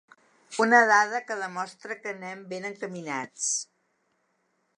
Una dada que demostra que anem ben encaminats.